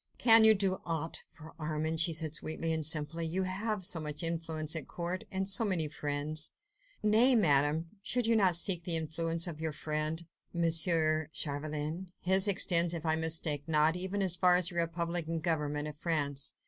"Can you do aught for Armand?" she said sweetly and simply. "You have so much influence at court ... so many friends ..." "Nay, Madame, should you not rather seek the influence of your French friend, M. Chauvelin? His extends, if I mistake not, even as far as the Republican Government of France."